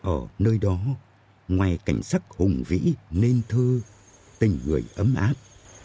ở nơi đó ngoài cảnh sắc hùng vĩ nền thơ tình người ấm áp